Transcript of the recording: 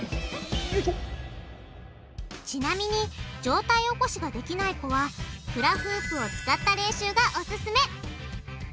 ちなみに上体起こしができない子はフラフープを使った練習がオススメ！